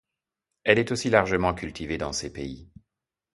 Elle est aussi largement cultivée dans ces pays.